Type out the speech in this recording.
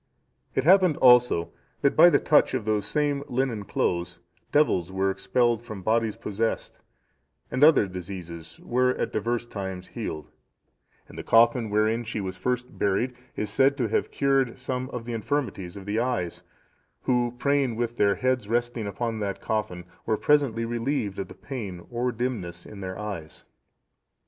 It happened also that by the touch of those same linen clothes devils were expelled from bodies possessed, and other diseases were at divers times healed; and the coffin wherein she was first buried is said to have cured some of infirmities of the eyes, who, praying with their heads resting upon that coffin, were presently relieved of the pain or dimness in their eyes.